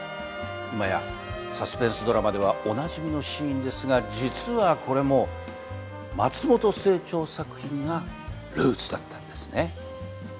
今やサスペンスドラマではおなじみのシーンですが実はこれも松本清張作品がルーツだったんですね。